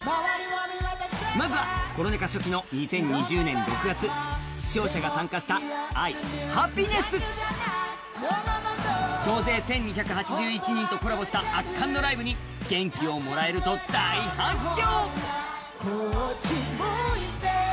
まずは、コロナ禍初期の２０２０年６月、視聴者が参加したＡＩ、「ハピネス」。総勢１２８１人とコラボした圧巻のライブに元気をもらえると大反響。